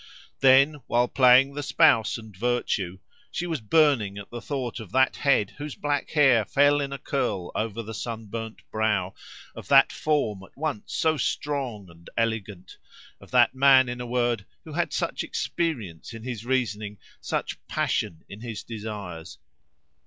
Then, while playing the spouse and virtue, she was burning at the thought of that head whose black hair fell in a curl over the sunburnt brow, of that form at once so strong and elegant, of that man, in a word, who had such experience in his reasoning, such passion in his desires.